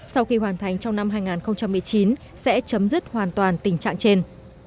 sau khi hoàn thành trong năm hai nghìn một mươi chín sẽ chấm dứt hoàn toàn tình trạng trên